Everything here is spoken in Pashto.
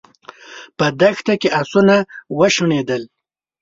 په دښته کې آسونه وشڼېدل.